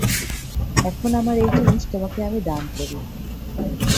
এখন আমার এই জিনিস তোমাকে আমি দান করি।